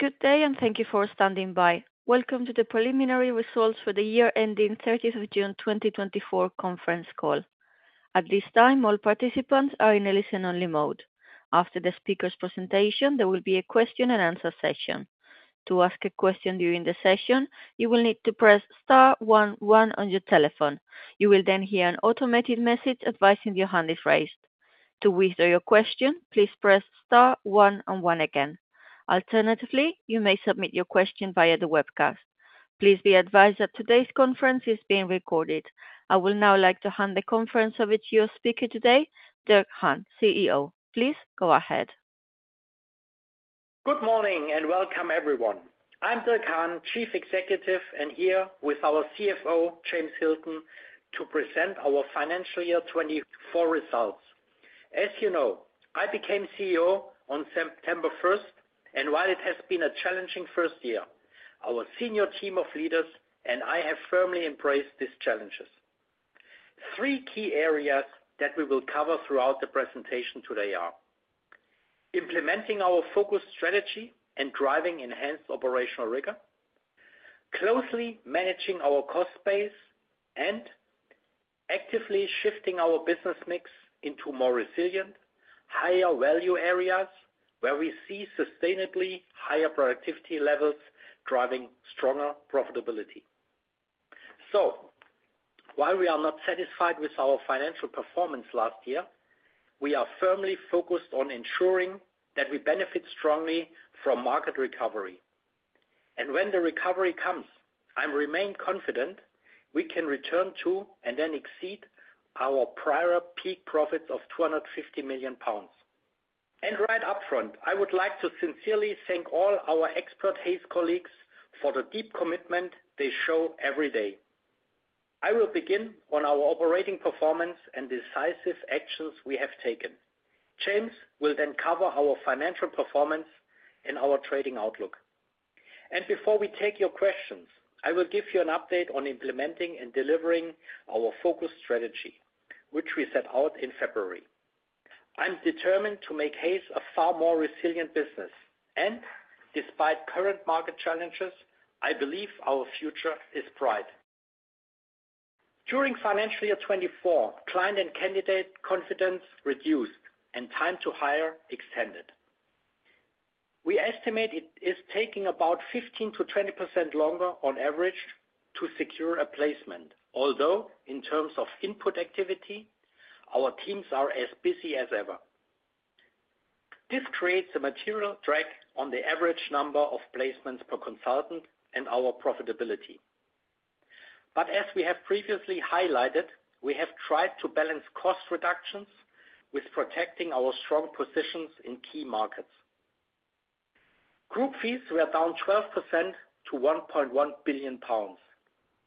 Good day, and thank you for standing by. Welcome to the preliminary results for the year ending thirtieth of June 2024 conference call. At this time, all participants are in listen-only mode. After the speaker's presentation, there will be a question and answer session. To ask a question during the session, you will need to press star one one on your telephone. You will then hear an automated message advising your hand is raised. To withdraw your question, please press star one and one again. Alternatively, you may submit your question via the webcast. Please be advised that today's conference is being recorded. I would now like to hand the conference over to your speaker today, Dirk Hahn, CEO. Please go ahead. Good morning, and welcome, everyone. I'm Dirk Hahn, Chief Executive, and here with our CFO, James Hilton, to present our financial year 24 results. As you know, I became CEO on September first, and while it has been a challenging first year, our senior team of leaders and I have firmly embraced these challenges. Three key areas that we will cover throughout the presentation today are: implementing our focus, strategy, and driving enhanced operational rigor, closely managing our cost base, and actively shifting our business mix into more resilient, higher value areas where we see sustainably higher productivity levels driving stronger profitability. So while we are not satisfied with our financial performance last year, we are firmly focused on ensuring that we benefit strongly from market recovery. When the recovery comes, I remain confident we can return to and then exceed our prior peak profits of 250 million pounds. Right up front, I would like to sincerely thank all our expert Hays colleagues for the deep commitment they show every day. I will begin on our operating performance and decisive actions we have taken. James will then cover our financial performance and our trading outlook. Before we take your questions, I will give you an update on implementing and delivering our focus strategy, which we set out in February. I'm determined to make Hays a far more resilient business, and despite current market challenges, I believe our future is bright. During financial year 24, client and candidate confidence reduced and time to hire extended. We estimate it is taking about 15%-20% longer on average to secure a placement, although in terms of input activity, our teams are as busy as ever. This creates a material drag on the average number of placements per consultant and our profitability. But as we have previously highlighted, we have tried to balance cost reductions with protecting our strong positions in key markets. Group fees were down 12% to 1.1 billion pounds,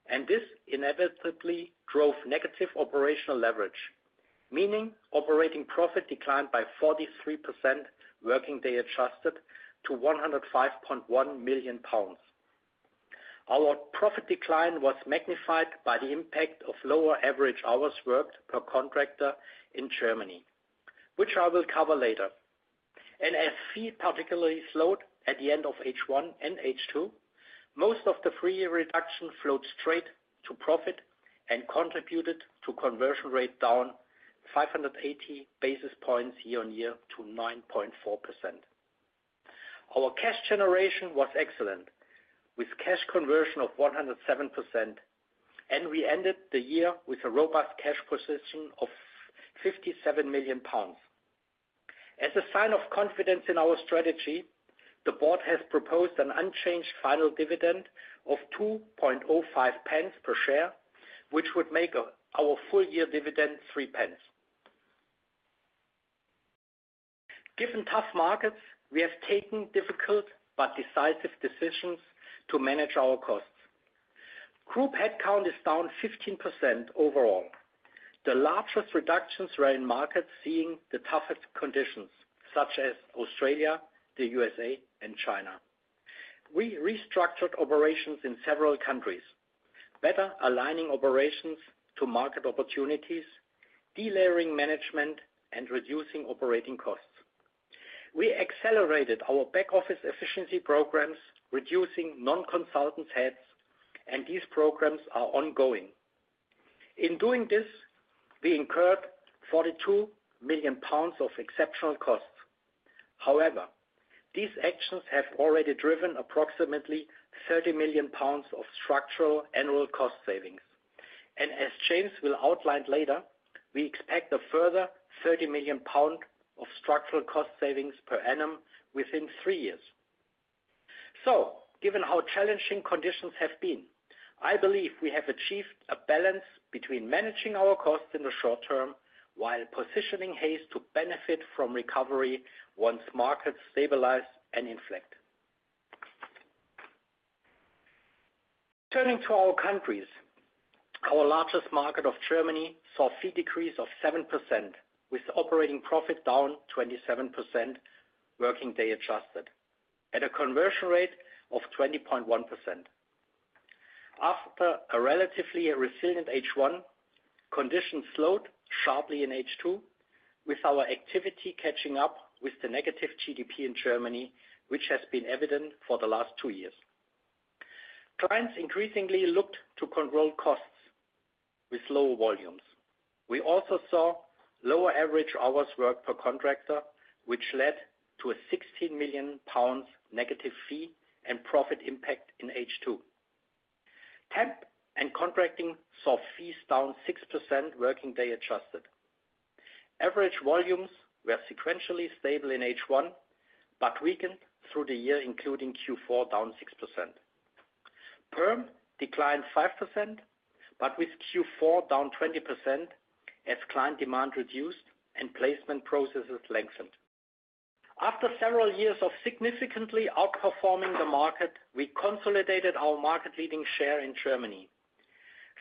and this inevitably drove negative operational leverage, meaning operating profit declined by 43%, working day adjusted to 105.1 million pounds. Our profit decline was magnified by the impact of lower average hours worked per contractor in Germany, which I will cover later. As fees particularly slowed at the end of H1 and H2, most of the three-year reduction flowed straight to profit and contributed to conversion rate down 580 basis points year-on-year to 9.4%. Our cash generation was excellent, with cash conversion of 107%, and we ended the year with a robust cash position of 57 million pounds. As a sign of confidence in our strategy, the board has proposed an unchanged final dividend of 2.05 pence per share, which would make our full-year dividend 3 pence. Given tough markets, we have taken difficult but decisive decisions to manage our costs. Group headcount is down 15% overall. The largest reductions were in markets seeing the toughest conditions, such as Australia, the USA and China. We restructured operations in several countries, better aligning operations to market opportunities, delayering management, and reducing operating costs. We accelerated our back-office efficiency programs, reducing non-consultant heads, and these programs are ongoing. In doing this, we incurred 42 million pounds of exceptional costs. However, these actions have already driven approximately 30 million pounds of structural annual cost savings. And as James will outline later, we expect a further 30 million pound of structural cost savings per annum within three years. So given how challenging conditions have been, I believe we have achieved a balance between managing our costs in the short term, while positioning Hays to benefit from recovery once markets stabilize and inflect. Turning to our countries, our largest market of Germany saw a fee decrease of 7%, with operating profit down 27%, working day adjusted at a conversion rate of 20.1%. After a relatively resilient H1, conditions slowed sharply in H2, with our activity catching up with the negative GDP in Germany, which has been evident for the last two years. Clients increasingly looked to control costs with lower volumes. We also saw lower average hours worked per contractor, which led to a 16 million pounds negative fee and profit impact in H2. Temp and contracting saw fees down 6% working day adjusted. Average volumes were sequentially stable in H1, but weakened through the year, including Q4, down 6%. Perm declined 5%, but with Q4 down 20% as client demand reduced and placement processes lengthened. After several years of significantly outperforming the market, we consolidated our market-leading share in Germany.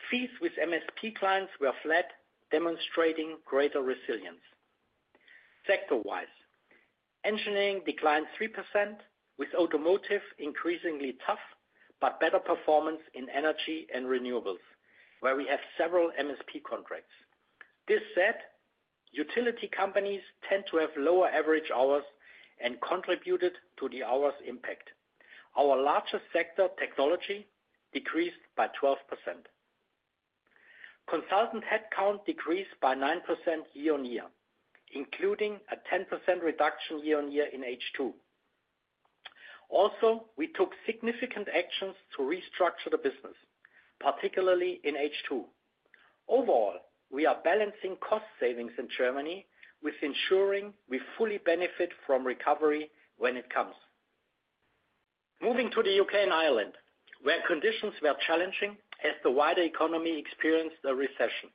Fees with MSP clients were flat, demonstrating greater resilience. Sector-wise, engineering declined 3%, with automotive increasingly tough, but better performance in energy and renewables, where we have several MSP contracts. That said, utility companies tend to have lower average hours and contributed to the hours impact. Our largest sector, technology, decreased by 12%. Consultant headcount decreased by 9% year-on-year, including a 10% reduction year-on-year in H2. Also, we took significant actions to restructure the business, particularly in H2. Overall, we are balancing cost savings in Germany with ensuring we fully benefit from recovery when it comes. Moving to the U.K. and Ireland, where conditions were challenging as the wider economy experienced a recession.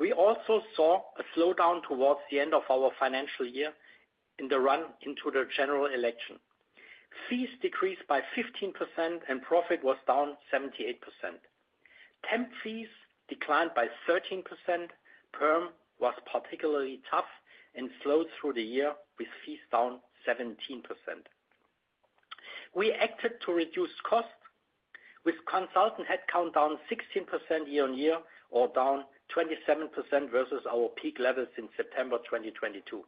We also saw a slowdown towards the end of our financial year in the run into the general election. Fees decreased by 15% and profit was down 78%. Temp fees declined by 13%. Perm was particularly tough and slowed through the year, with fees down 17%. We acted to reduce costs, with consultant headcount down 16% year-on-year or down 27% versus our peak levels in September 2022.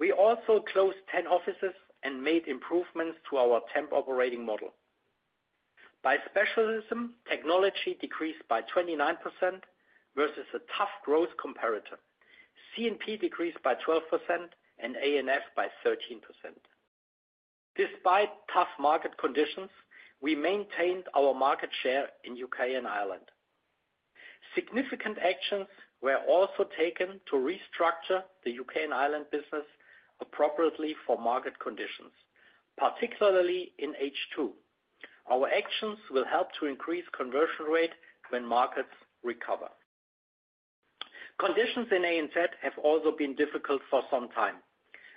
We also closed 10 offices and made improvements to our temp operating model. By specialism, technology decreased by 29% versus a tough growth comparator. C&P decreased by 12% and A&F by 13%. Despite tough market conditions, we maintained our market share in U.K. and Ireland. Significant actions were also taken to restructure the U.K. and Ireland business appropriately for market conditions, particularly in H2. Our actions will help to increase conversion rate when markets recover. Conditions in ANZ have also been difficult for some time,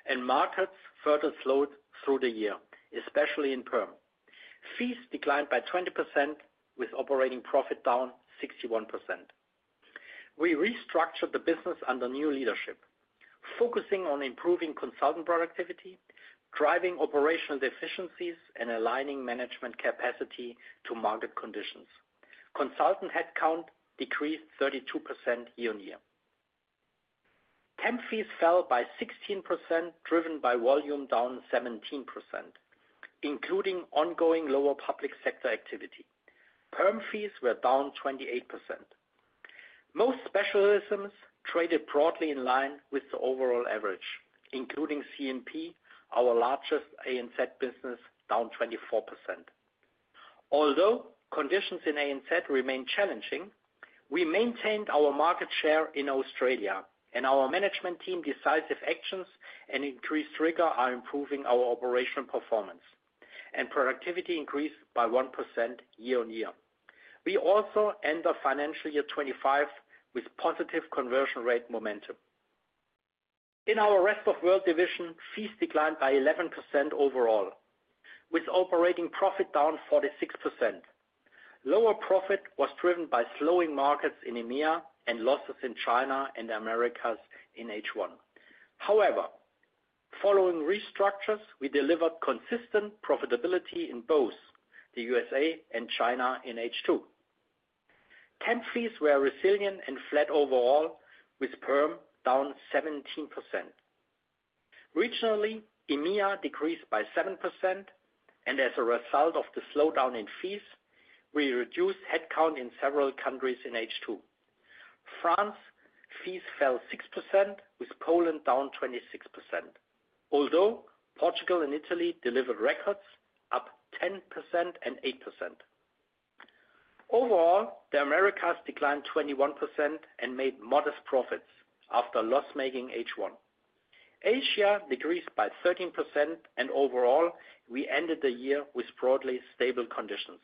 and markets further slowed through the year, especially in Perm. Fees declined by 20%, with operating profit down 61%. We restructured the business under new leadership, focusing on improving consultant productivity, driving operational efficiencies, and aligning management capacity to market conditions. Consultant headcount decreased 32% year-on-year. Temp fees fell by 16%, driven by volume down 17%, including ongoing lower public sector activity. Perm fees were down 28%. Most specialisms traded broadly in line with the overall average, including C&P, our largest ANZ business, down 24%. Although conditions in ANZ remain challenging, we maintained our market share in Australia, and our management team decisive actions and increased rigor are improving our operational performance, and productivity increased by 1% year-on-year. We also end our financial year 2025 with positive conversion rate momentum. In our Rest of World division, fees declined by 11% overall, with operating profit down 46%. Lower profit was driven by slowing markets in EMEA and losses in China and the Americas in H1. However, following restructures, we delivered consistent profitability in both the USA and China in H2. Temp fees were resilient and flat overall, with perm down 17%. Regionally, EMEA decreased by 7%, and as a result of the slowdown in fees, we reduced headcount in several countries in H2. France, fees fell 6%, with Poland down 26%. Although Portugal and Italy delivered records up 10% and 8%. Overall, the Americas declined 21% and made modest profits after loss-making H1. Asia decreased by 13%, and overall, we ended the year with broadly stable conditions.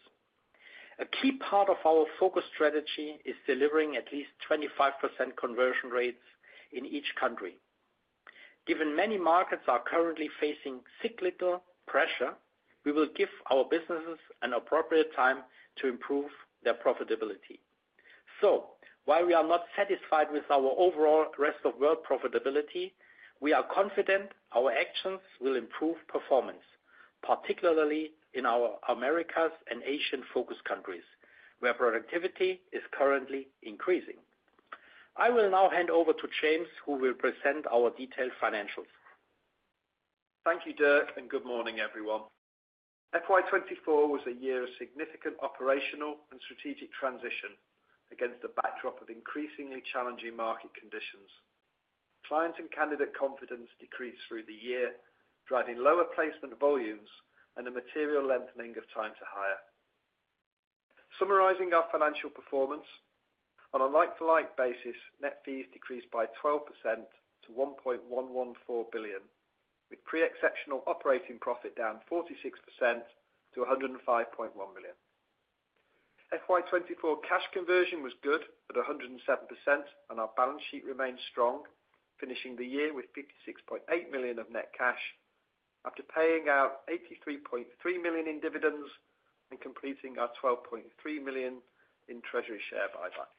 A key part of our focus strategy is delivering at least 25% conversion rates in each country. Given many markets are currently facing cyclical pressure, we will give our businesses an appropriate time to improve their profitability. So while we are not satisfied with our overall Rest of World profitability, we are confident our actions will improve performance, particularly in our Americas and Asian focus countries, where productivity is currently increasing. I will now hand over to James, who will present our detailed financials. Thank you, Dirk, and good morning, everyone. FY 2024 was a year of significant operational and strategic transition against the backdrop of increasingly challenging market conditions. Client and candidate confidence decreased through the year, driving lower placement volumes and a material lengthening of time to hire. Summarizing our financial performance, on a like-for-like basis, net fees decreased by 12% to 1.114 billion, with pre-exceptional operating profit down 46% to 105.1 million. FY 2024 cash conversion was good at 107%, and our balance sheet remains strong, finishing the year with 56.8 million of net cash after paying out 83.3 million in dividends and completing our 12.3 million in treasury share buyback.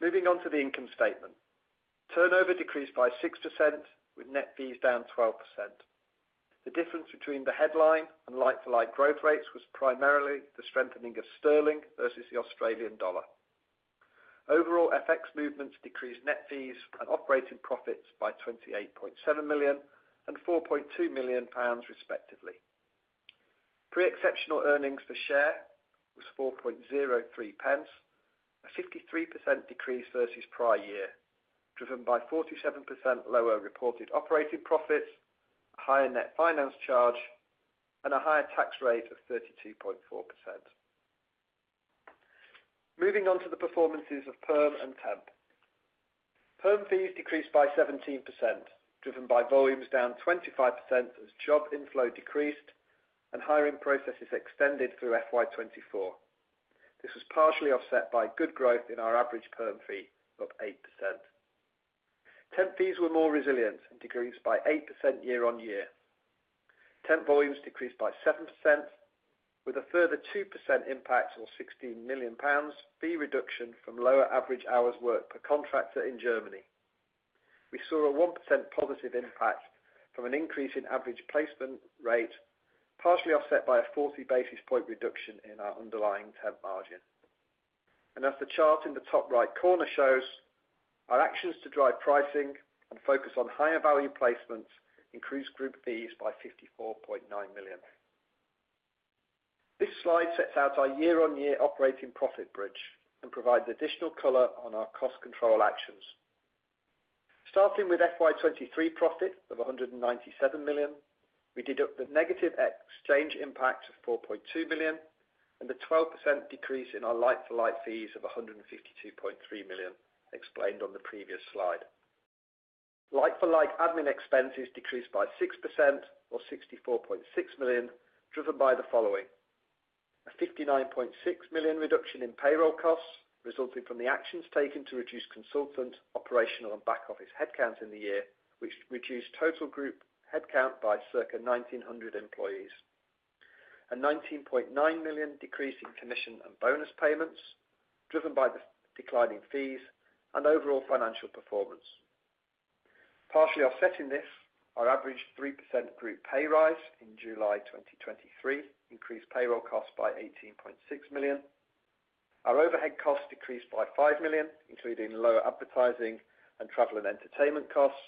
Moving on to the income statement. Turnover decreased by 6%, with net fees down 12%. The difference between the headline and like-for-like growth rates was primarily the strengthening of sterling versus the Australian dollar. Overall, FX movements decreased net fees and operating profits by 28.7 million and 4.2 million pounds, respectively. Pre-exceptional earnings per share was 4.03 pence, a 53% decrease versus prior year, driven by 47% lower reported operating profits, higher net finance charge, and a higher tax rate of 32.4%. Moving on to the performances of perm and temp. Perm fees decreased by 17%, driven by volumes down 25% as job inflow decreased and hiring processes extended through FY 2024. This was partially offset by good growth in our average perm fee of 8%. Temp fees were more resilient and decreased by 8% year-on-year. Temp volumes decreased by 7%, with a further 2% impact, or 16 million pounds, fee reduction from lower average hours worked per contractor in Germany. We saw a 1% positive impact from an increase in average placement rate, partially offset by a 40 basis points reduction in our underlying temp margin. And as the chart in the top right corner shows, our actions to drive pricing and focus on higher value placements increased group fees by 54.9 million. This slide sets out our year-on-year operating profit bridge and provides additional color on our cost control actions. Starting with FY 2023 profit of 197 million, we deduct the negative exchange impact of 4.2 billion and the 12% decrease in our like-for-like fees of 152.3 million, explained on the previous slide. Like-for-like admin expenses decreased by 6% or 64.6 million, driven by the following: a 59.6 million reduction in payroll costs resulting from the actions taken to reduce consultant, operational, and back office headcount in the year, which reduced total group headcount by circa 1,900 employees. A 19.9 million decrease in commission and bonus payments, driven by the declining fees and overall financial performance. Partially offsetting this, our average 3% group pay rise in July 2023 increased payroll costs by 18.6 million. Our overhead costs decreased by 5 million, including lower advertising and travel and entertainment costs.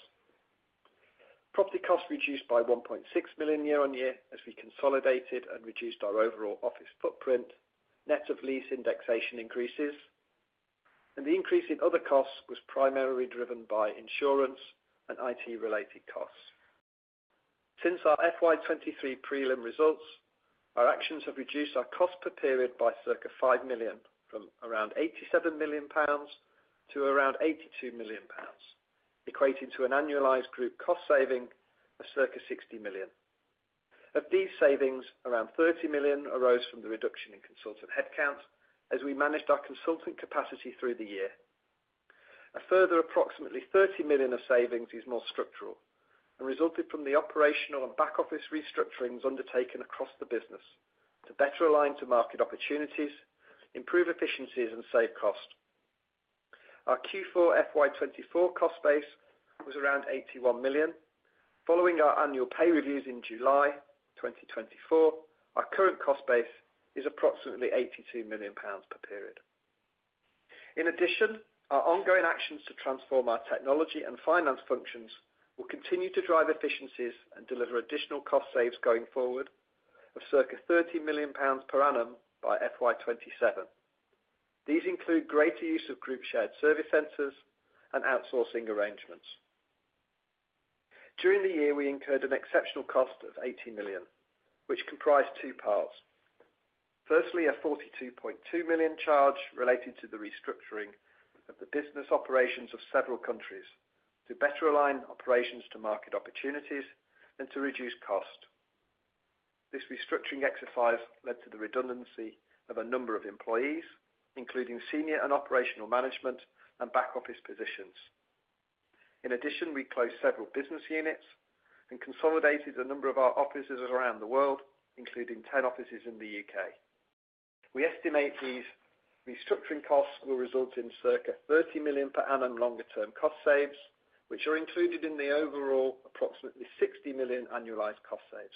Property costs reduced by 1.6 million year-on-year as we consolidated and reduced our overall office footprint, net of lease indexation increases. And the increase in other costs was primarily driven by insurance and IT-related costs. Since our FY 2023 prelim results, our actions have reduced our cost per period by circa 5 million, from around 87 million pounds to around 82 million pounds, equating to an annualized group cost saving of circa 60 million. Of these savings, around 30 million arose from the reduction in consultant headcount as we managed our consultant capacity through the year. A further approximately 30 million of savings is more structural and resulted from the operational and back office restructurings undertaken across the business to better align to market opportunities, improve efficiencies, and save cost. Our Q4 FY 2024 cost base was around 81 million. Following our annual pay reviews in July 2024, our current cost base is approximately 82 million pounds per period. In addition, our ongoing actions to transform our technology and finance functions will continue to drive efficiencies and deliver additional cost saves going forward of circa 30 million pounds per annum by FY 2027. These include greater use of group shared service centers and outsourcing arrangements. During the year, we incurred an exceptional cost of 80 million, which comprised two parts. Firstly, a 42.2 million charge related to the restructuring of the business operations of several countries to better align operations to market opportunities and to reduce cost. This restructuring exercise led to the redundancy of a number of employees, including senior and operational management and back office positions. In addition, we closed several business units and consolidated a number of our offices around the world, including 10 offices in the U.K. We estimate these restructuring costs will result in circa 30 million per annum longer-term cost saves, which are included in the overall approximately 60 million annualized cost saves.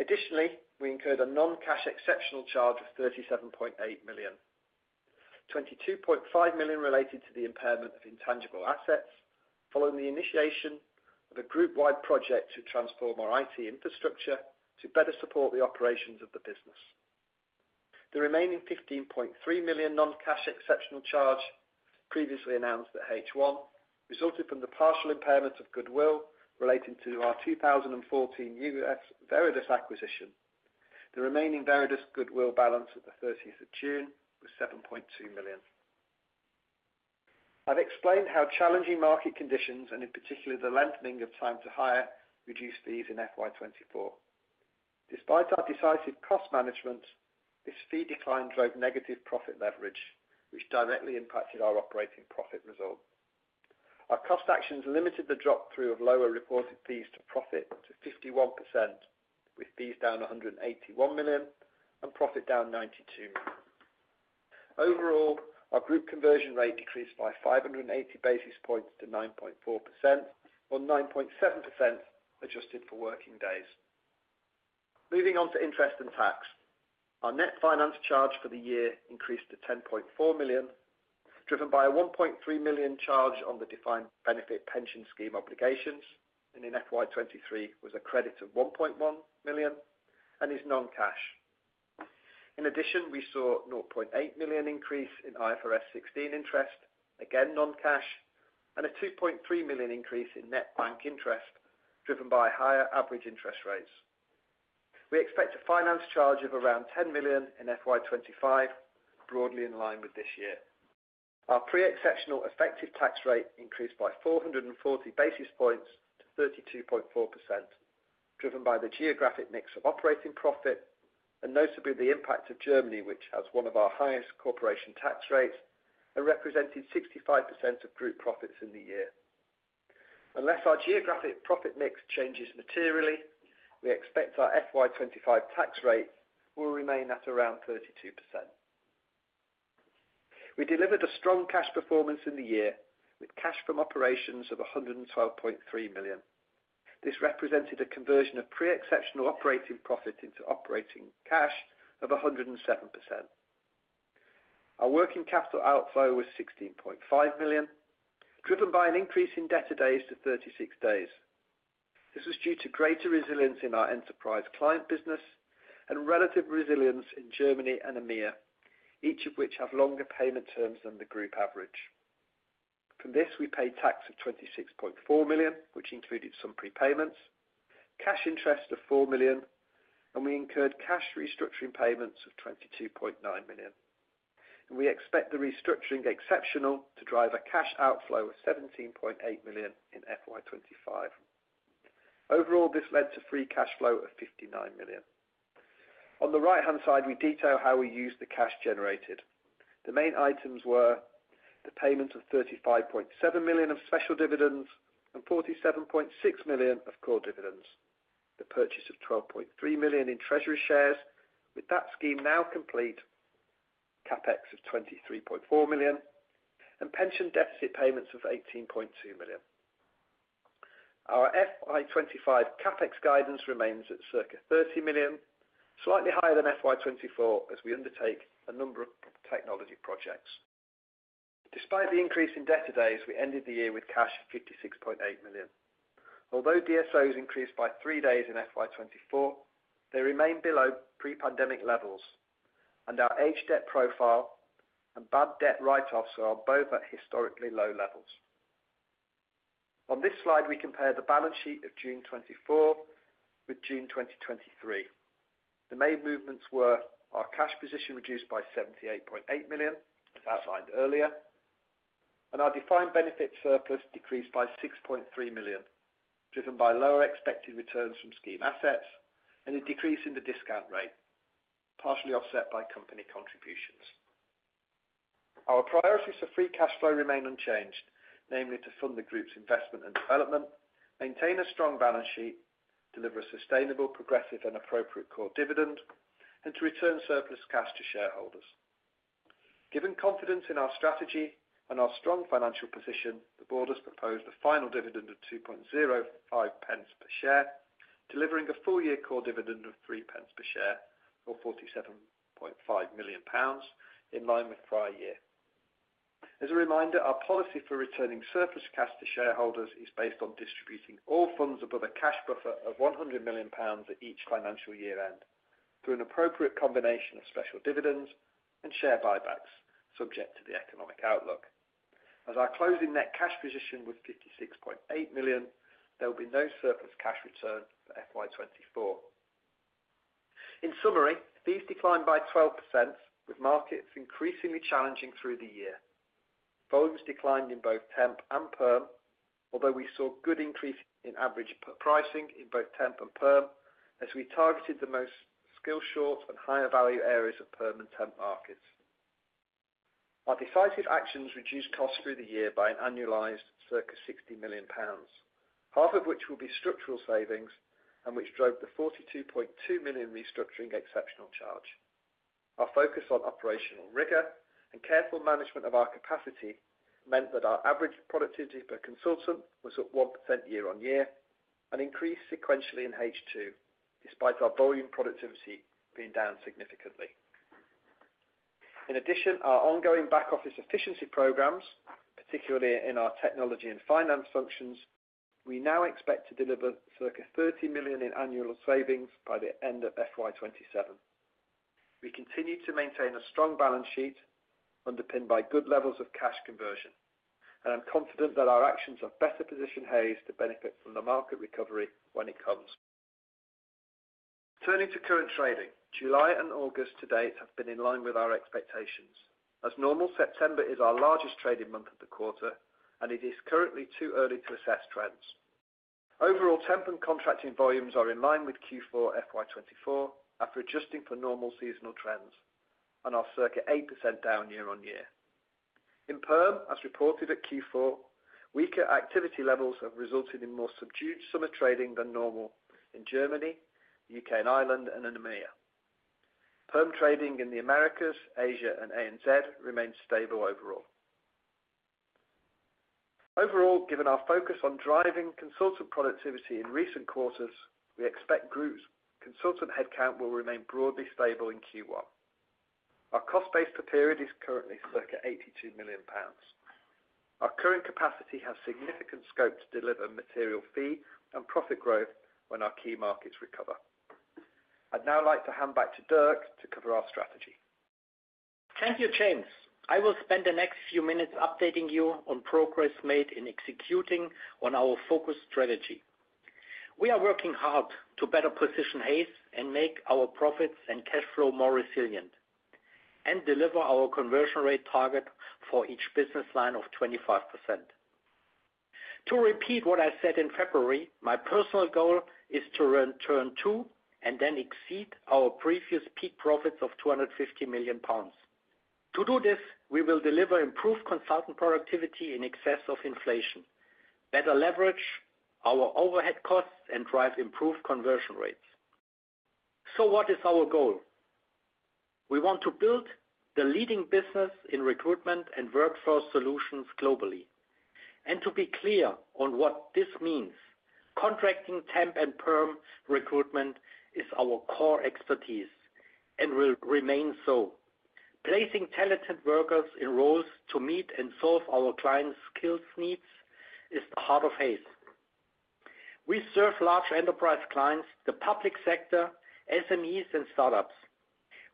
Additionally, we incurred a non-cash exceptional charge of 37.8 million. 22.5 million related to the impairment of intangible assets, following the initiation of a group-wide project to transform our IT infrastructure to better support the operations of the business. The remaining 15.3 million non-cash exceptional charge, previously announced at H1, resulted from the partial impairment of goodwill relating to our 2014 U.S. Veredus acquisition. The remaining Veredus goodwill balance at the thirtieth of June was 7.2 million. I've explained how challenging market conditions, and in particular, the lengthening of time to hire, reduced fees in FY 2024. Despite our decisive cost management, this fee decline drove negative profit leverage, which directly impacted our operating profit result. Our cost actions limited the drop through of lower reported fees to profit to 51%, with fees down 181 million and profit down 92 million. Overall, our group conversion rate decreased by 580 basis points to 9.4%, or 9.7% adjusted for working days. Moving on to interest and tax. Our net finance charge for the year increased to 10.4 million, driven by a 1.3 million charge on the defined benefit pension scheme obligations, and in FY 2023 was a credit of 1.1 million and is non-cash. In addition, we saw 0.8 million increase in IFRS 16 interest, again non-cash, and a 2.3 million increase in net bank interest, driven by higher average interest rates. We expect a finance charge of around 10 million in FY 2025, broadly in line with this year. Our pre-exceptional effective tax rate increased by 440 basis points to 32.4%, driven by the geographic mix of operating profit, and notably the impact of Germany, which has one of our highest corporation tax rates and represented 65% of group profits in the year. Unless our geographic profit mix changes materially, we expect our FY 2025 tax rate will remain at around 32%. We delivered a strong cash performance in the year, with cash from operations of 112.3 million. This represented a conversion of pre-exceptional operating profit into operating cash of 107%. Our working capital outflow was 16.5 million, driven by an increase in debtor days to 36 days. This was due to greater resilience in our enterprise client business and relative resilience in Germany and EMEA, each of which have longer payment terms than the group average. From this, we paid tax of 26.4 million, which included some prepayments, cash interest of 4 million, and we incurred cash restructuring payments of 22.9 million. And we expect the restructuring exceptional to drive a cash outflow of 17.8 million in FY 2025. Overall, this led to free cash flow of 59 million. On the right-hand side, we detail how we use the cash generated. The main items were the payment of 35.7 million of special dividends and 47.6 million of core dividends, the purchase of 12.3 million in treasury shares, with that scheme now complete, CapEx of 23.4 million, and pension deficit payments of 18.2 million. Our FY 2025 CapEx guidance remains at circa 30 million, slightly higher than FY 2024, as we undertake a number of technology projects. Despite the increase in debtor days, we ended the year with cash of 56.8 million. Although DSOs increased by three days in FY 2024, they remain below pre-pandemic levels, and our age debt profile and bad debt write-offs are both at historically low levels. On this slide, we compare the balance sheet of June 2024 with June 2023. The main movements were our cash position reduced by 78.8 million, as outlined earlier, and our defined benefit surplus decreased by 6.3 million, driven by lower expected returns from scheme assets and a decrease in the discount rate, partially offset by company contributions. Our priorities for free cash flow remain unchanged, namely to fund the group's investment and development, maintain a strong balance sheet, deliver a sustainable, progressive and appropriate core dividend, and to return surplus cash to shareholders. Given confidence in our strategy and our strong financial position, the board has proposed a final dividend of 2.05 pence per share, delivering a full year core dividend of three pence per share, or 47.5 million pounds, in line with prior year. As a reminder, our policy for returning surplus cash to shareholders is based on distributing all funds above a cash buffer of 100 million pounds at each financial year-end, through an appropriate combination of special dividends and share buybacks, subject to the economic outlook. As our closing net cash position was 56.8 million, there will be no surplus cash return for FY 2024. In summary, fees declined by 12%, with markets increasingly challenging through the year. Volumes declined in both temp and perm, although we saw good increase in average fee pricing in both temp and perm, as we targeted the most skill-short and higher value areas of perm and temp markets. Our decisive actions reduced costs through the year by an annualized circa 60 million pounds, half of which will be structural savings, and which drove the 42.2 million restructuring exceptional charge. Our focus on operational rigor and careful management of our capacity meant that our average productivity per consultant was up 1% year-on-year, and increased sequentially in H2, despite our volume productivity being down significantly. In addition, our ongoing back-office efficiency programs, particularly in our technology and finance functions, we now expect to deliver circa 30 million in annual savings by the end of FY 2027. We continue to maintain a strong balance sheet, underpinned by good levels of cash conversion, and I'm confident that our actions have better positioned Hays to benefit from the market recovery when it comes. Turning to current trading, July and August to date have been in line with our expectations. As normal, September is our largest trading month of the quarter, and it is currently too early to assess trends. Overall, temp and contracting volumes are in line with Q4 FY 2024, after adjusting for normal seasonal trends, and are circa 8% down year-on-year. In perm, as reported at Q4, weaker activity levels have resulted in more subdued summer trading than normal in Germany, U.K. and Ireland, and in EMEA. Perm trading in the Americas, Asia, and ANZ remains stable overall. Overall, given our focus on driving consultant productivity in recent quarters, we expect group consultant headcount will remain broadly stable in Q1. Our cost base per period is currently circa 82 million pounds. Our current capacity has significant scope to deliver material fee and profit growth when our key markets recover. I'd now like to hand back to Dirk to cover our strategy. Thank you, James. I will spend the next few minutes updating you on progress made in executing on our focus strategy. We are working hard to better position Hays and make our profits and cash flow more resilient, and deliver our conversion rate target for each business line of 25%. To repeat what I said in February, my personal goal is to return to and then exceed our previous peak profits of 250 million pounds. To do this, we will deliver improved consultant productivity in excess of inflation, better leverage our overhead costs, and drive improved conversion rates. So what is our goal? We want to build the leading business in recruitment and workforce solutions globally. And to be clear on what this means, contracting temp and perm recruitment is our core expertise and will remain so. Placing talented workers in roles to meet and solve our clients' skills needs is the heart of Hays. We serve large enterprise clients, the public sector, SMEs, and startups.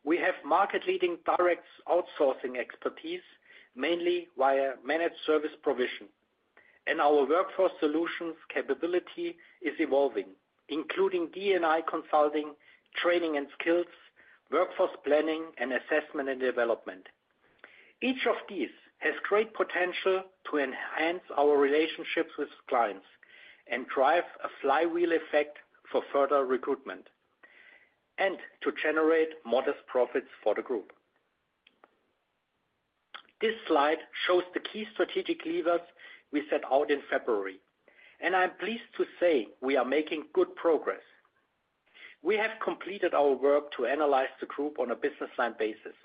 We have market-leading direct outsourcing expertise, mainly via managed service provision, and our workforce solutions capability is evolving, including D&I consulting, training and skills, workforce planning, and assessment and development. Each of these has great potential to enhance our relationships with clients and drive a flywheel effect for further recruitment, and to generate modest profits for the group. This slide shows the key strategic levers we set out in February, and I am pleased to say we are making good progress. We have completed our work to analyze the group on a business line basis.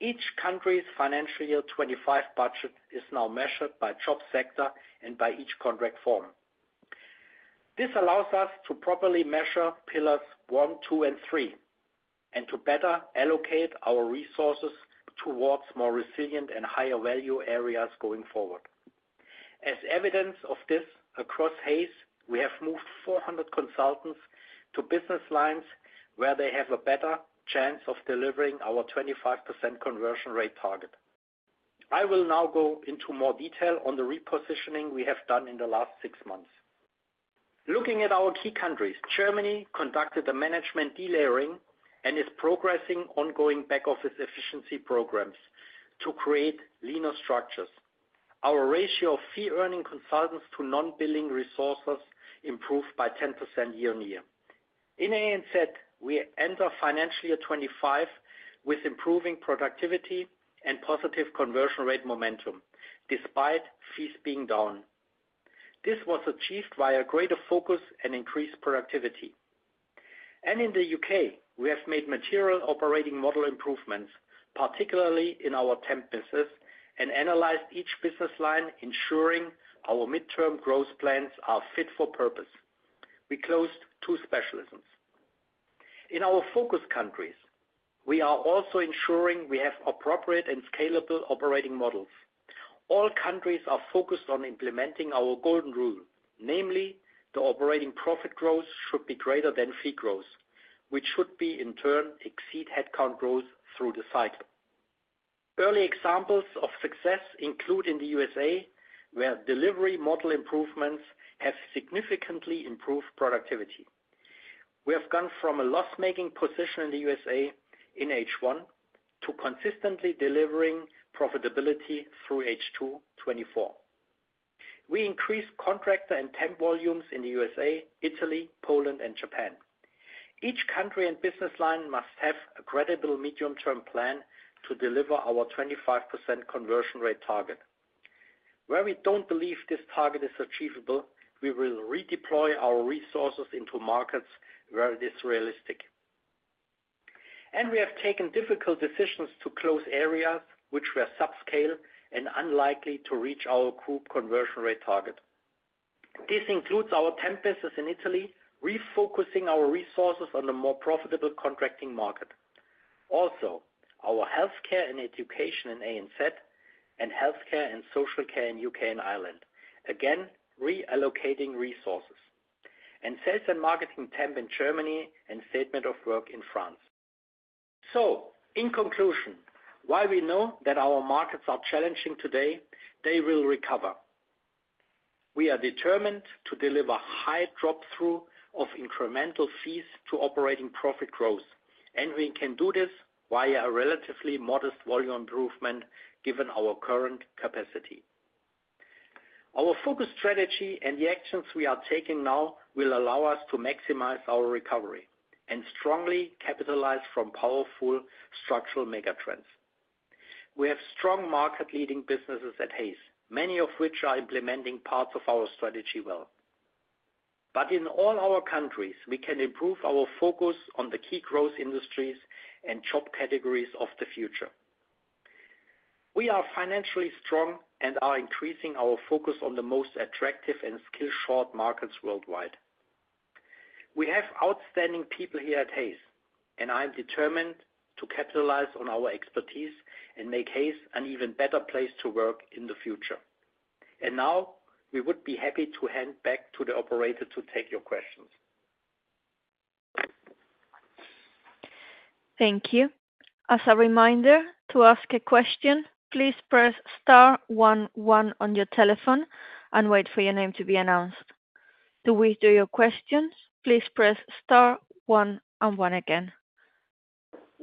Each country's financial year 2025 budget is now measured by job sector and by each contract form. This allows us to properly measure pillars one, two, and three, and to better allocate our resources towards more resilient and higher value areas going forward. As evidence of this, across Hays, we have moved four hundred consultants to business lines where they have a better chance of delivering our 25% conversion rate target. I will now go into more detail on the repositioning we have done in the last six months. Looking at our key countries, Germany conducted a management delayering and is progressing ongoing back-office efficiency programs to create leaner structures. Our ratio of fee-earning consultants to non-billing resources improved by 10% year-on-year. In ANZ, we enter financial year 2025 with improving productivity and positive conversion rate momentum, despite fees being down. This was achieved via greater focus and increased productivity. And in the U.K., we have made material operating model improvements, particularly in our temp business, and analyzed each business line, ensuring our midterm growth plans are fit for purpose. We closed two specialisms. In our focus countries, we are also ensuring we have appropriate and scalable operating models. All countries are focused on implementing our golden rule, namely, the operating profit growth should be greater than fee growth, which should be in turn exceed headcount growth through the cycle. Early examples of success include in the USA, where delivery model improvements have significantly improved productivity. We have gone from a loss-making position in the USA in H1 to consistently delivering profitability through H2 2024. We increased contractor and temp volumes in the USA, Italy, Poland and Japan. Each country and business line must have a credible medium-term plan to deliver our 25% conversion rate target. Where we don't believe this target is achievable, we will redeploy our resources into markets where it is realistic. And we have taken difficult decisions to close areas which were subscale and unlikely to reach our group conversion rate target. This includes our temp business in Italy, refocusing our resources on the more profitable contracting market. Also, our healthcare and education in ANZ, and healthcare and social care in U.K. and Ireland. Again, reallocating resources and sales and marketing temp in Germany and statement of work in France. So in conclusion, while we know that our markets are challenging today, they will recover. We are determined to deliver high drop through of incremental fees to operating profit growth, and we can do this via a relatively modest volume improvement, given our current capacity. Our focus strategy and the actions we are taking now will allow us to maximize our recovery and strongly capitalize from powerful structural megatrends. We have strong market leading businesses at Hays, many of which are implementing parts of our strategy well. But in all our countries, we can improve our focus on the key growth industries and job categories of the future. We are financially strong and are increasing our focus on the most attractive and skill-short markets worldwide. We have outstanding people here at Hays, and I am determined to capitalize on our expertise and make Hays an even better place to work in the future. And now we would be happy to hand back to the operator to take your questions. Thank you. As a reminder, to ask a question, please press star one, one on your telephone and wait for your name to be announced. To withdraw your questions, please press star one and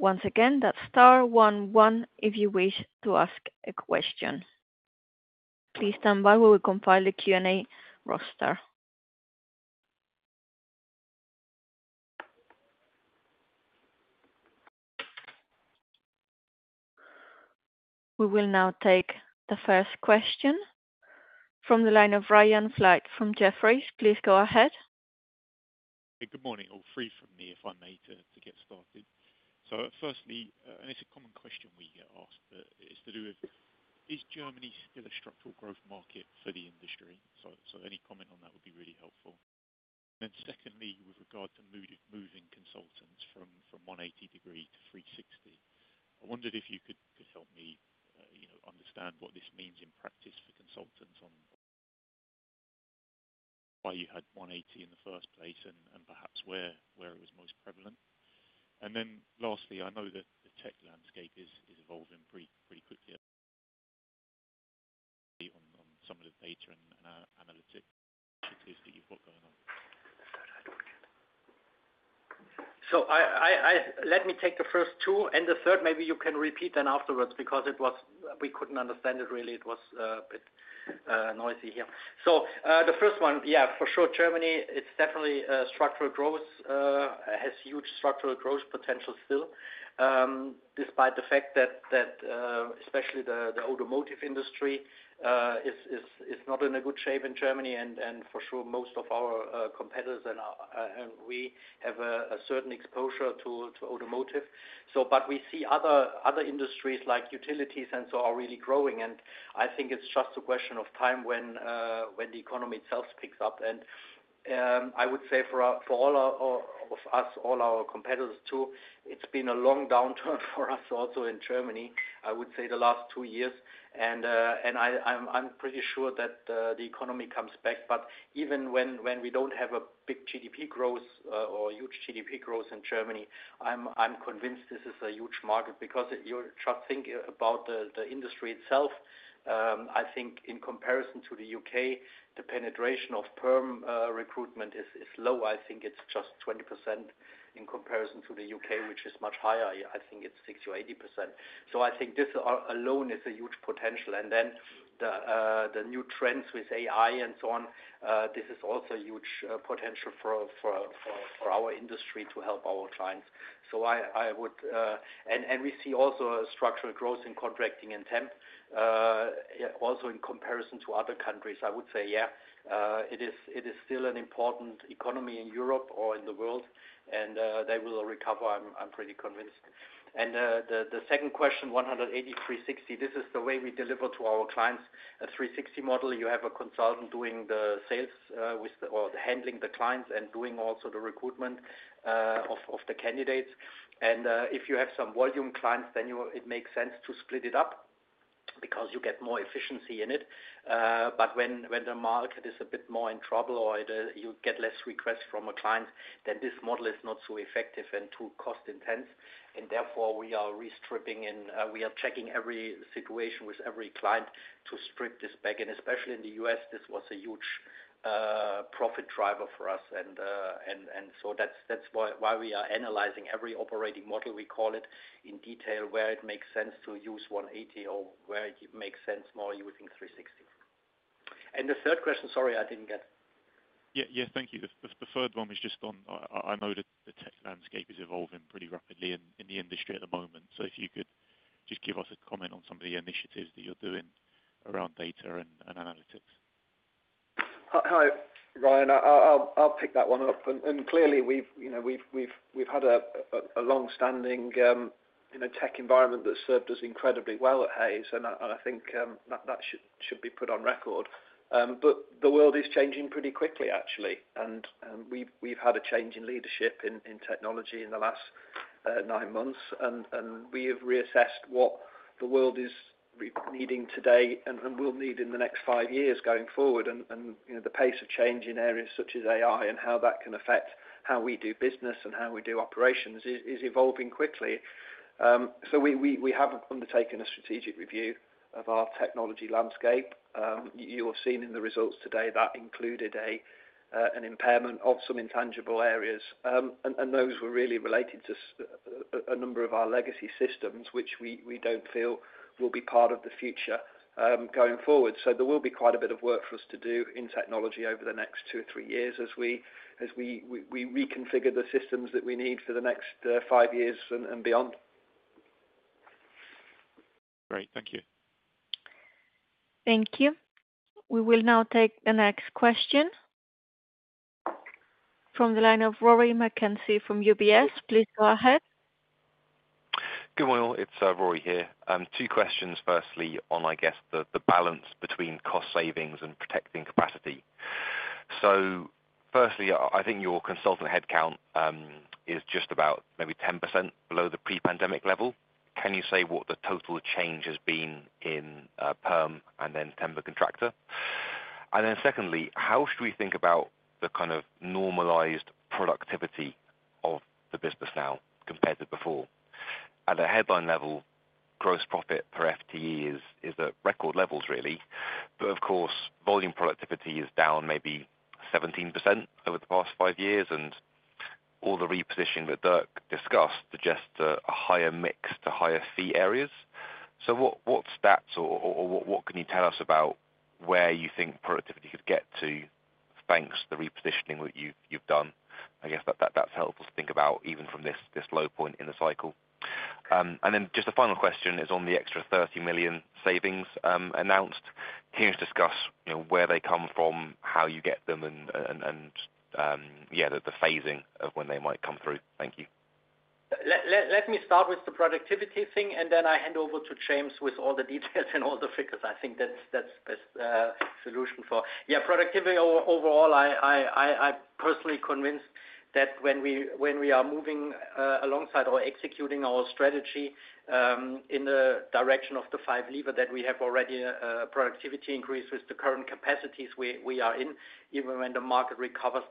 one again. Once again, that's star one, one if you wish to ask a question. Please stand by, we will compile a Q&A roster. We will now take the first question from the line of Ryan Flight from Jefferies. Please go ahead. Good morning, all. Three from me, if I may, to get started. So firstly, and it's a common question we get asked, is to do with: Is Germany still a structural growth market for the industry? So any comment on that would be really helpful. Then secondly, with regard to moving consultants from 180-degree to 360-degree, I wondered if you could help me, you know, understand what this means in practice for consultants on why you had 180-degree in the first place and perhaps where it was most prevalent. And then lastly, I know that the tech landscape is evolving pretty quickly on some of the data and analytics that you've got going on. So let me take the first two and the third, maybe you can repeat then afterwards, because we couldn't understand it really, it was a bit noisy here. So the first one, yeah, for sure, Germany, it's definitely structural growth has huge structural growth potential still, despite the fact that especially the automotive industry is not in a good shape in Germany, and for sure, most of our competitors and we have a certain exposure to automotive. So but we see other industries like utilities and so are really growing, and I think it's just a question of time when the economy itself picks up. I would say for all of us, all our competitors, too, it's been a long downturn for us also in Germany, I would say the last two years. I'm pretty sure that the economy comes back. Even when we don't have a big GDP growth or huge GDP growth in Germany, I'm convinced this is a huge market, because you're just thinking about the industry itself. I think in comparison to the U.K., the penetration of perm recruitment is low. I think it's just 20% in comparison to the U.K., which is much higher. I think it's 60%-80%. I think this alone is a huge potential. And then the new trends with AI and so on, this is also a huge potential for our industry to help our clients. So I would and we see also a structural growth in contracting and temp, also in comparison to other countries. I would say, yeah, it is still an important economy in Europe or in the world, and they will recover, I'm pretty convinced. And the second question, 180, 360. This is the way we deliver to our clients a 360 model. You have a consultant doing the sales, with or handling the clients and doing also the recruitment of the candidates. If you have some volume clients, then it makes sense to split it up because you get more efficiency in it. But when the market is a bit more in trouble or you get less requests from a client, then this model is not so effective and too cost intense, and therefore we are restripping and we are checking every situation with every client to strip this back. Especially in the U.S., this was a huge profit driver for us. And so that's why we are analyzing every operating model, we call it, in detail, where it makes sense to use one hundred and eighty or where it makes sense more using three sixty. The third question, sorry, I didn't get. Yeah, yeah, thank you. The third one was just on, I know the tech landscape is evolving pretty rapidly in the industry at the moment. So if you could just give us a comment on some of the initiatives that you're doing around data and analytics. Hi, Ryan, I'll pick that one up. And clearly we've, you know, had a long-standing tech environment that's served us incredibly well at Hays. And I think that should be put on record. But the world is changing pretty quickly, actually. And we've had a change in leadership in technology in the last nine months. And we have reassessed what the world is needing today, and will need in the next five years going forward. And, you know, the pace of change in areas such as AI and how that can affect how we do business and how we do operations is evolving quickly. So we have undertaken a strategic review of our technology landscape. You have seen in the results today that included an impairment of some intangible areas. And those were really related to a number of our legacy systems, which we don't feel will be part of the future, going forward. So there will be quite a bit of work for us to do in technology over the next two or three years, as we reconfigure the systems that we need for the next five years and beyond. Great. Thank you. Thank you. We will now take the next question. From the line of Rory Mckenzie from UBS. Please go ahead. Good morning all, it's Rory here. Two questions, firstly, on, I guess, the balance between cost savings and protecting capacity. So firstly, I think your consultant headcount is just about maybe 10% below the pre-pandemic level. Can you say what the total change has been in perm and then temp and contractor? And then secondly, how should we think about the kind of normalized productivity of the business now compared to before? At a headline level, gross profit per FTE is at record levels, really. But of course, volume productivity is down maybe 17% over the past five years, and all the repositioning that Dirk discussed suggest a higher mix to higher fee areas. So what stats or what can you tell us about where you think productivity could get to, thanks to the repositioning that you've done? I guess that's helpful to think about even from this low point in the cycle. And then just a final question is on the extra £30 million savings announced. Can you just discuss, you know, where they come from, how you get them and yeah, the phasing of when they might come through. Thank you. Let me start with the productivity thing, and then I hand over to James with all the details and all the figures. I think that's the best solution for... Productivity overall, I'm personally convinced that when we are moving alongside or executing our strategy in the direction of the five levers, that we have already a productivity increase with the current capacities we are in, even when the market recovers,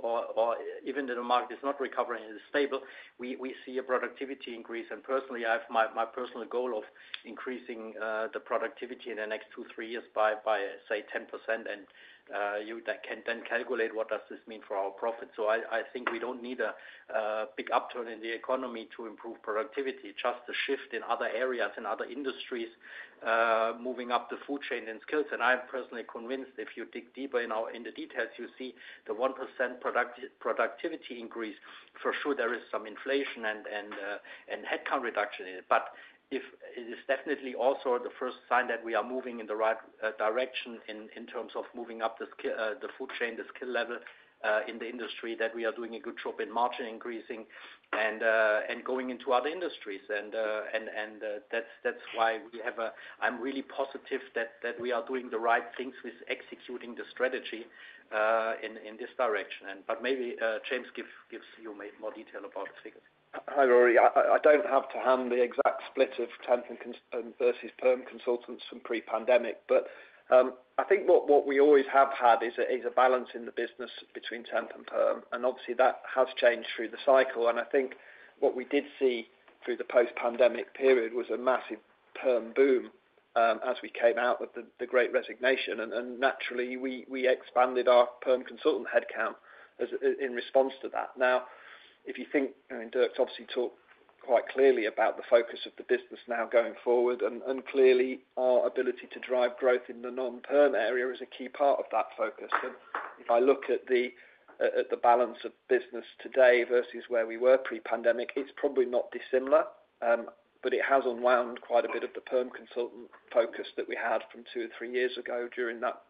or even though the market is not recovering, it is stable, we see a productivity increase. And personally, I have my personal goal of increasing the productivity in the next two, three years by say 10%, and you can then calculate what does this mean for our profits. So I think we don't need a big upturn in the economy to improve productivity, just a shift in other areas and other industries, moving up the food chain and skills. And I am personally convinced, if you dig deeper in the details, you see the 1% productivity increase. For sure, there is some inflation and headcount reduction in it. But if it is definitely also the first sign that we are moving in the right direction in terms of moving up the food chain, the skill level in the industry, that we are doing a good job in margin increasing and going into other industries. That's why I'm really positive that we are doing the right things with executing the strategy in this direction, but maybe James gives you maybe more detail about the figures. Hi, Rory. I don't have to hand the exact split of temp and cons versus perm consultants from pre-pandemic, but I think what we always have had is a balance in the business between temp and perm, and obviously that has changed through the cycle. I think what we did see through the post-pandemic period was a massive perm boom as we came out with the great resignation. Naturally, we expanded our perm consultant headcount in response to that. Now, if you think, I mean, Dirk's obviously talked quite clearly about the focus of the business now going forward, and clearly our ability to drive growth in the non-perm area is a key part of that focus. And if I look at the balance of business today versus where we were pre-pandemic, it's probably not dissimilar, but it has unwound quite a bit of the perm consultant focus that we had from two or three years ago during that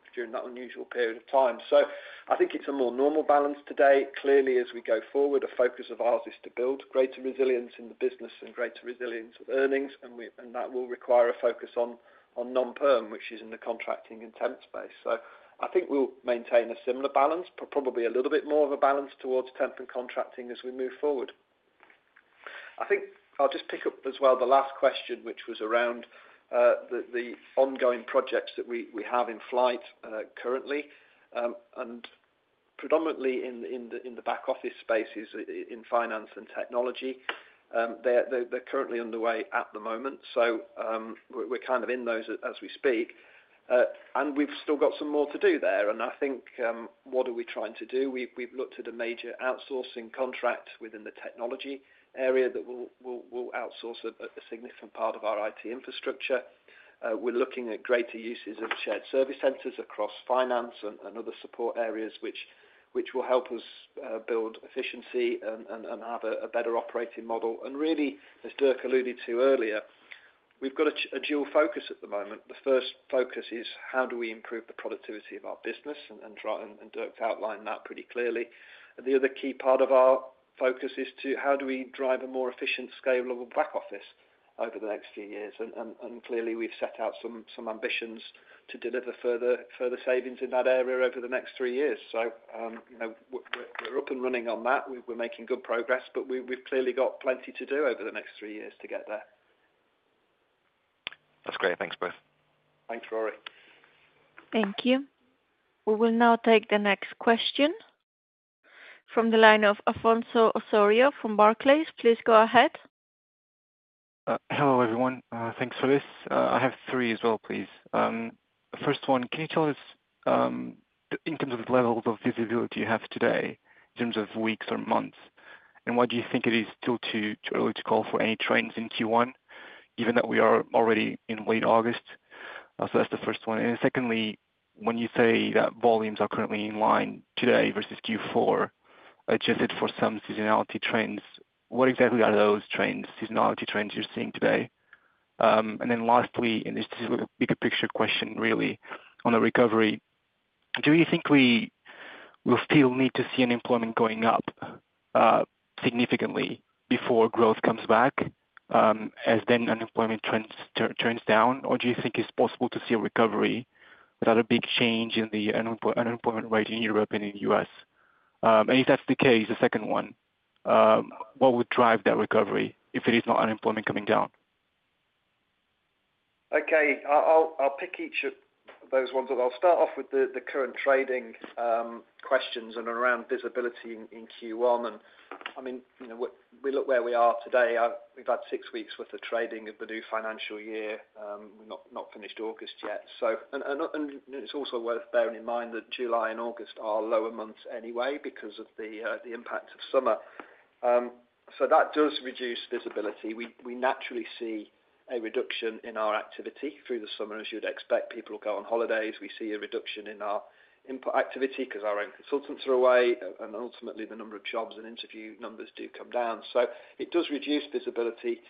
unusual period of time. So I think it's a more normal balance today. Clearly, as we go forward, a focus of ours is to build greater resilience in the business and greater resilience of earnings, and that will require a focus on non-perm, which is in the contracting and temp space. So I think we'll maintain a similar balance, probably a little bit more of a balance towards temp and contracting as we move forward. I think I'll just pick up as well the last question, which was around the ongoing projects that we have in flight currently, and predominantly in the back office spaces in finance and technology. They're currently underway at the moment, so we're kind of in those as we speak. And we've still got some more to do there, and I think what are we trying to do? We've looked at a major outsourcing contract within the technology area that will outsource a significant part of our IT infrastructure. We're looking at greater uses of shared service centers across finance and other support areas, which will help us build efficiency and have a better operating model. Really, as Dirk alluded to earlier, we've got a dual focus at the moment. The first focus is how do we improve the productivity of our business? Dirk outlined that pretty clearly. The other key part of our focus is how do we drive a more efficient, scalable back office over the next few years? Clearly, we've set out some ambitions to deliver further savings in that area over the next three years. You know, we're up and running on that. We're making good progress, but we've clearly got plenty to do over the next three years to get there. That's great. Thanks, both. Thanks, Rory. Thank you. We will now take the next question from the line of Alfonso Osorio from Barclays. Please go ahead. Hello, everyone. Thanks for this. I have three as well, please. The first one, can you tell us in terms of the levels of visibility you have today, in terms of weeks or months, and why do you think it is still too early to call for any trends in Q1, even though we are already in late August? So that's the first one. And secondly, when you say that volumes are currently in line today versus Q4, adjusted for some seasonality trends, what exactly are those trends, seasonality trends you're seeing today? And then lastly, and this is a bigger picture question really on the recovery, do you think we will still need to see unemployment going up significantly before growth comes back, as then unemployment trends turns down? Or do you think it's possible to see a recovery without a big change in the unemployment rate in Europe and in the U.S.? And if that's the case, the second one, what would drive that recovery if it is not unemployment coming down? Okay. I'll pick each of those ones, and I'll start off with the current trading questions and around visibility in Q1. And I mean, you know, we look where we are today. We've had six weeks worth of trading of the new financial year, not finished August yet. So, it's also worth bearing in mind that July and August are lower months anyway because of the impact of summer. So that does reduce visibility. We naturally see a reduction in our activity through the summer. As you'd expect, people go on holidays. We see a reduction in our input activity 'cause our own consultants are away, and ultimately the number of jobs and interview numbers do come down. So it does reduce visibility.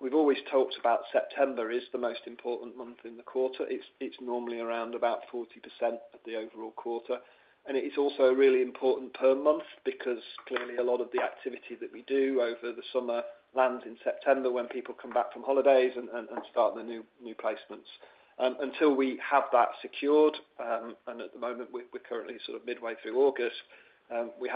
We've always talked about September is the most important month in the quarter. It's normally around about 40% of the overall quarter, and it is also a really important term month, because clearly a lot of the activity that we do over the summer lands in September when people come back from holidays and start the new placements. Until we have that secured, and at the moment, we're currently sort of midway through August, we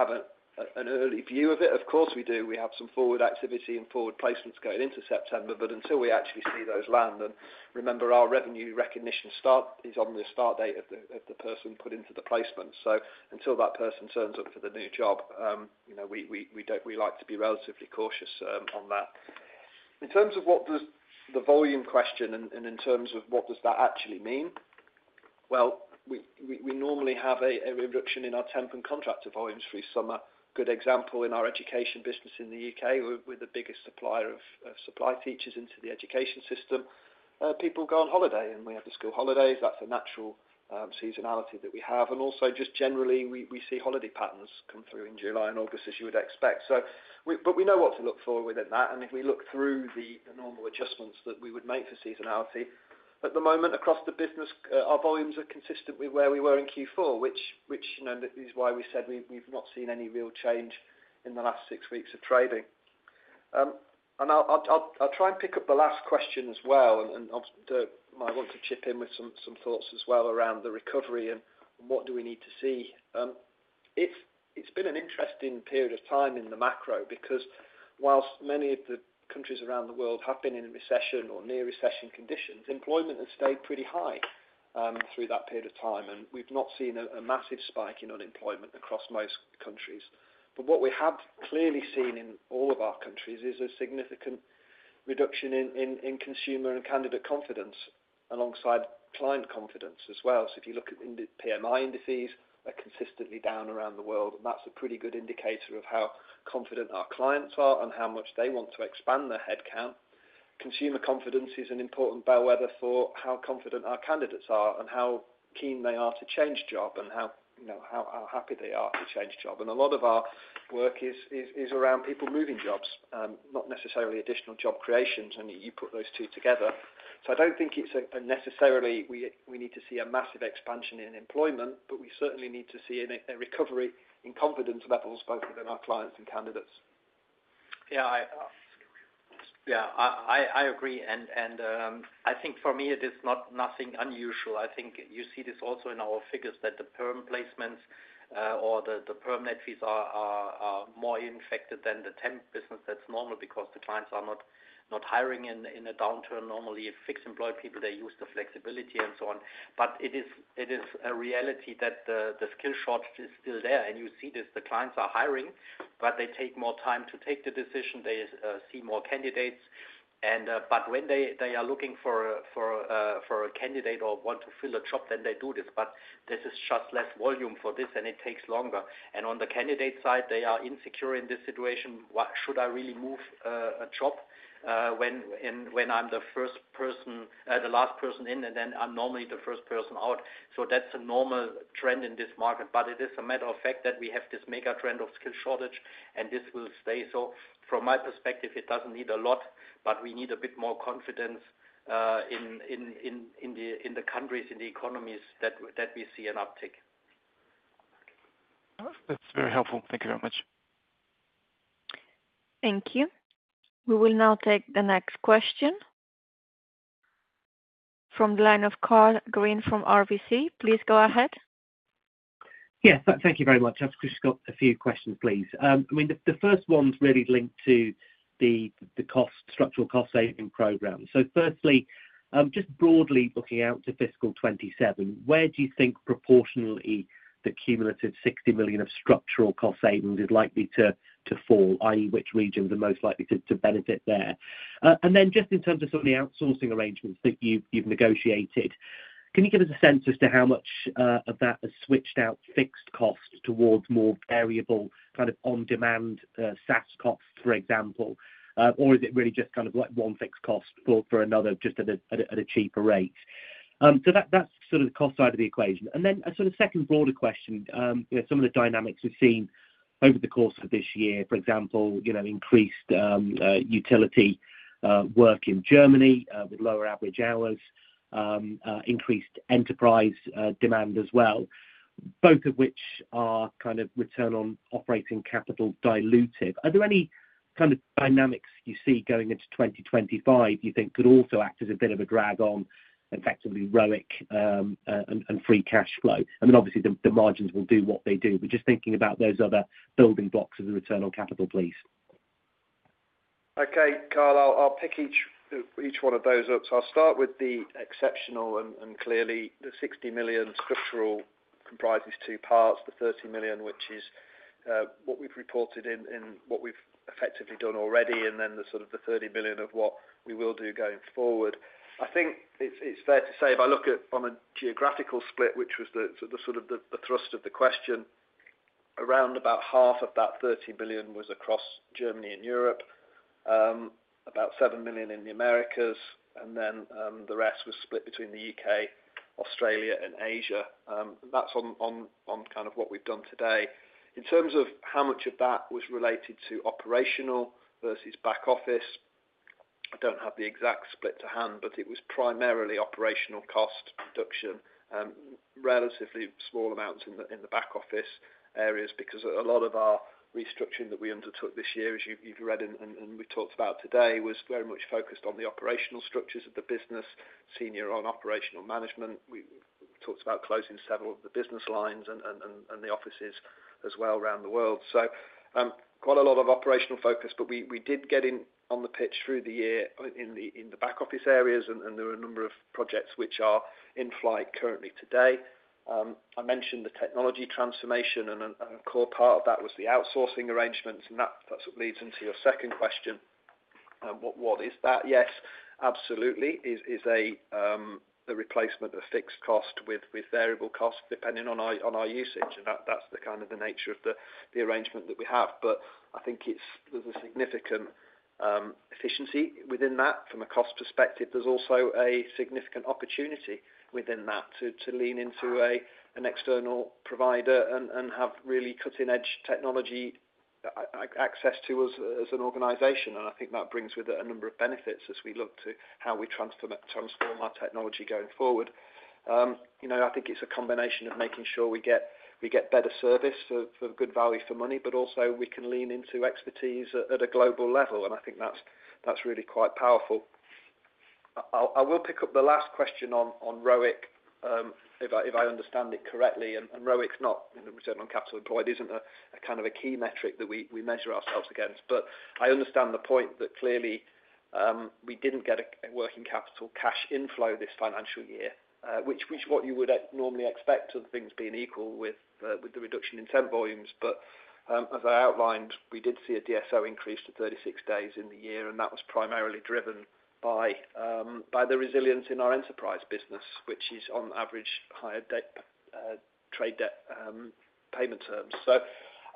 have an early view of it. Of course, we do. We have some forward activity and forward placements going into September. But until we actually see those land, and remember, our revenue recognition start is on the start date of the person put into the placement. So until that person turns up for the new job, you know, we don't. We like to be relatively cautious on that. In terms of what does the volume question and in terms of what does that actually mean? Well, we normally have a reduction in our temp and contractor volumes through summer. Good example, in our education business in the U.K., we're the biggest supplier of supply teachers into the education system. People go on holiday, and we have the school holidays. That's a natural seasonality that we have. And also, just generally, we see holiday patterns come through in July and August, as you would expect. But we know what to look for within that, and if we look through the normal adjustments that we would make for seasonality, at the moment across the business, our volumes are consistently where we were in Q4, which you know is why we said we've not seen any real change in the last six weeks of trading. And I'll try and pick up the last question as well, and I might want to chip in with some thoughts as well around the recovery and what do we need to see? It's been an interesting period of time in the macro, because whilst many of the countries around the world have been in a recession or near recession conditions, employment has stayed pretty high through that period of time, and we've not seen a massive spike in unemployment across most countries. But what we have clearly seen in all of our countries is a significant reduction in consumer and candidate confidence alongside client confidence as well. So if you look at index PMI indices, they're consistently down around the world, and that's a pretty good indicator of how confident our clients are and how much they want to expand their headcount. Consumer confidence is an important bellwether for how confident our candidates are and how keen they are to change job, and how, you know, how happy they are to change job. A lot of our work is around people moving jobs, not necessarily additional job creations, and you put those two together. So I don't think it's necessarily, we need to see a massive expansion in employment, but we certainly need to see a recovery in confidence levels, both within our clients and candidates. Yeah, I agree, and I think for me, it is not nothing unusual. I think you see this also in our figures, that the perm placements or the perm net fees are more affected than the temp business. That's normal because the clients are not hiring in a downturn. Normally, fixed employed people, they use the flexibility and so on, but it is a reality that the skill shortage is still there, and you see this, the clients are hiring, but they take more time to take the decision. They see more candidates. But when they are looking for a candidate or want to fill a job, then they do this, but this is just less volume for this, and it takes longer. And on the candidate side, they are insecure in this situation. What should I really move a job when I'm the first person, the last person in, and then I'm normally the first person out? So that's a normal trend in this market, but it is a matter of fact that we have this mega trend of skill shortage, and this will stay. So from my perspective, it doesn't need a lot, but we need a bit more confidence in the countries, in the economies, that we see an uptick. That's very helpful. Thank you very much. Thank you. We will now take the next question. From the line of Karl Green from RBC Capital Markets. Please go ahead. Yes, thank you very much. I've just got a few questions, please. I mean, the first one's really linked to the cost, structural cost saving program. So firstly, just broadly looking out to fiscal 2027, where do you think proportionally the cumulative 60 million of structural cost savings is likely to fall, i.e., which region is the most likely to benefit there? And then just in terms of some of the outsourcing arrangements that you've negotiated, can you give us a sense as to how much of that has switched out fixed costs towards more variable, kind of on-demand, SaaS costs, for example? Or is it really just kind of like one fixed cost for another, just at a cheaper rate? So that, that's sort of the cost side of the equation. And then a sort of second broader question, you know, some of the dynamics we've seen over the course of this year, for example, you know, increased utility work in Germany with lower average hours, increased enterprise demand as well, both of which are kind of return on operating capital dilutive. Are there any kind of dynamics you see going into 2025, you think could also act as a bit of a drag on effectively ROIC and free cash flow? I mean, obviously, the margins will do what they do, but just thinking about those other building blocks of the return on capital, please. Okay, Karl In terms of how much of that was related to operational versus back office, I don't have the exact split to hand, but it was primarily operational cost reduction, relatively small amounts in the back office areas, because a lot of our restructuring that we undertook this year, as you've read and we talked about today, was very much focused on the operational structures of the business, centered on operational management. We talked about closing several of the business lines and the offices as well around the world, so quite a lot of operational focus, but we did get in on the pitch through the year in the back office areas, and there are a number of projects which are in flight currently today. I mentioned the technology transformation, and a core part of that was the outsourcing arrangements, and that sort of leads into your second question. What is that? Yes, absolutely. It is a replacement of fixed cost with variable cost, depending on our usage, and that's the kind of the nature of the arrangement that we have. But I think it's, there's a significant efficiency within that from a cost perspective. There's also a significant opportunity within that to lean into an external provider and have really cutting-edge technology access to us as an organization. And I think that brings with it a number of benefits as we look to how we transform our technology going forward. You know, I think it's a combination of making sure we get better service for good value for money, but also we can lean into expertise at a global level, and I think that's really quite powerful. I will pick up the last question on ROIC, if I understand it correctly, and ROIC is not return on capital employed, isn't a kind of key metric that we measure ourselves against, but I understand the point that clearly, we didn't get a working capital cash inflow this financial year, which what you would normally expect of things being equal with the reduction in spend volumes. But, as I outlined, we did see a DSO increase to 36 days in the year, and that was primarily driven by the resilience in our enterprise business, which is on average higher debt, trade debt, payment terms. So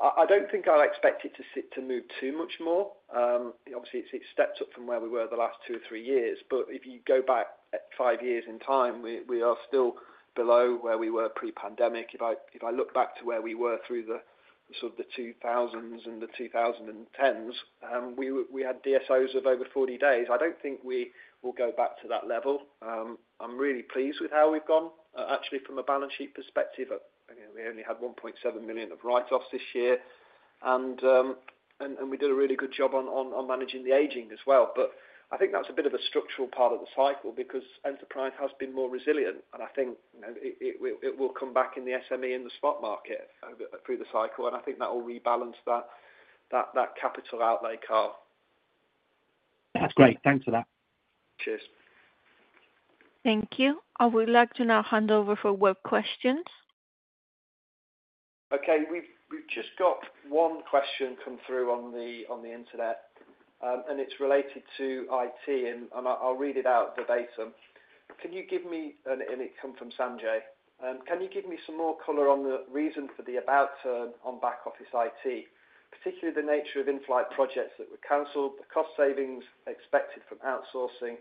I don't think I'll expect it to sit, to move too much more. Obviously, it's stepped up from where we were the last two or three years, but if you go back five years in time, we are still below where we were pre-pandemic. If I look back to where we were through the sort of the two thousands and the two thousand and tens, we had DSOs of over 40 days. I don't think we will go back to that level. I'm really pleased with how we've gone. Actually, from a balance sheet perspective, I mean, we only had 1.7 million of write-offs this year. And we did a really good job on managing the aging as well. But I think that's a bit of a structural part of the cycle because enterprise has been more resilient, and I think, you know, it will come back in the SME, in the spot market, through the cycle, and I think that will rebalance that capital outlay, Karl That's great. Thanks for that. Cheers. Thank you. I would like to now hand over for web questions. ...Okay, we've just got one question come through on the internet, and it's related to IT, and I'll read it out verbatim. Can you give me, and it come from Sanjay. Can you give me some more color on the reason for the about turn on back office IT, particularly the nature of in-flight projects that were canceled, the cost savings expected from outsourcing,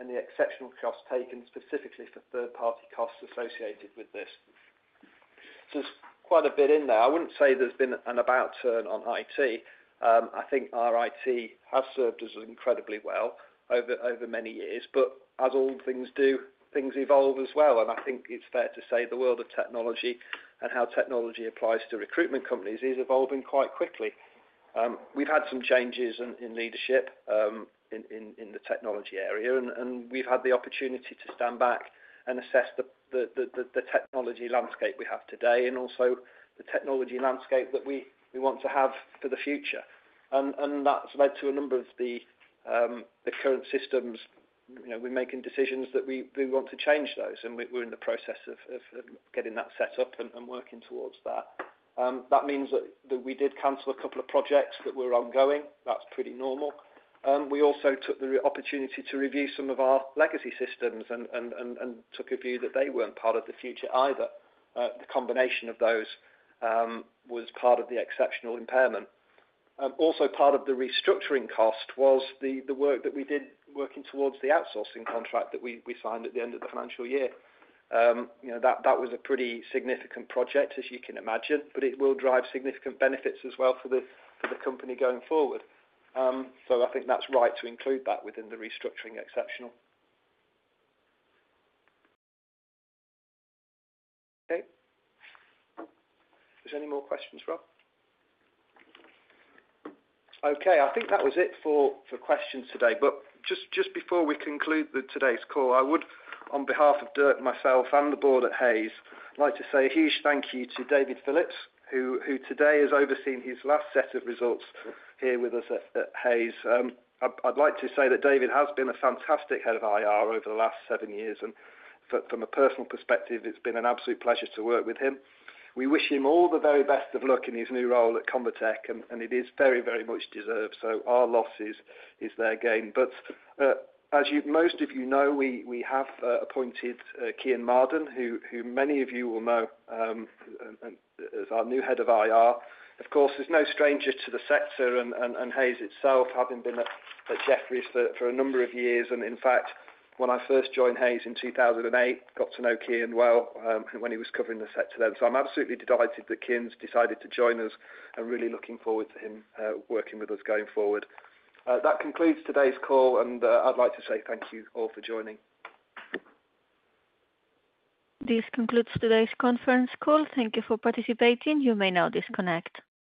and the exceptional costs taken specifically for third-party costs associated with this? So there's quite a bit in there. I wouldn't say there's been an about turn on IT. I think our IT has served us incredibly well over many years, but as all things do, things evolve as well. And I think it's fair to say the world of technology and how technology applies to recruitment companies is evolving quite quickly. We've had some changes in leadership in the technology area, and we've had the opportunity to stand back and assess the technology landscape we have today and also the technology landscape that we want to have for the future. And that's led to a number of the current systems, you know, we're making decisions that we want to change those, and we're in the process of getting that set up and working towards that. That means that we did cancel a couple of projects that were ongoing. That's pretty normal. And we also took the opportunity to review some of our legacy systems and took a view that they weren't part of the future either. The combination of those was part of the exceptional impairment. Also part of the restructuring cost was the work that we did working towards the outsourcing contract that we signed at the end of the financial year. You know, that was a pretty significant project, as you can imagine, but it will drive significant benefits as well for the company going forward. So I think that's right to include that within the restructuring exceptional. Okay. Is there any more questions, Rob? Okay, I think that was it for questions today. But just before we conclude today's call, I would on behalf of Dirk, myself, and the board at Hays, I'd like to say a huge thank you to David Phillips, who today has overseen his last set of results here with us at Hays. I'd like to say that David has been a fantastic head of IR over the last seven years, and from a personal perspective, it's been an absolute pleasure to work with him. We wish him all the very best of luck in his new role at ConvaTec, and it is very, very much deserved, so our loss is their gain. But as most of you know, we have appointed Cian Marden, who many of you will know as our new head of IR. Of course, he's no stranger to the sector and Hays itself, having been at Jefferies for a number of years. In fact, when I first joined Hays in 2008, got to know Cian well when he was covering the sector then. I'm absolutely delighted that Cian's decided to join us. I'm really looking forward to him working with us going forward. That concludes today's call, and I'd like to say thank you all for joining. This concludes today's conference call. Thank you for participating. You may now disconnect.